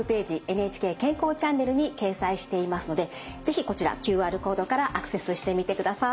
「ＮＨＫ健康チャンネル」に掲載していますので是非こちらＱＲコードからアクセスしてみてください。